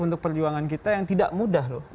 untuk perjuangan kita yang tidak mudah loh